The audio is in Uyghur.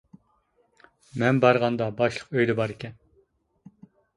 مەن بارغاندا باشلىق ئۆيىدە بار ئىكەن.